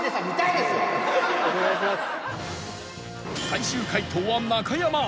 最終解答は中山